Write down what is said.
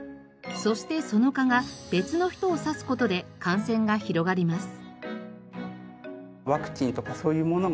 そしてその蚊が別の人を刺す事で感染が広がります。